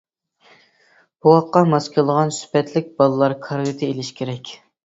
بوۋاققا ماس كېلىدىغان سۈپەتلىك بالىلار كارىۋىتى ئېلىش كېرەك.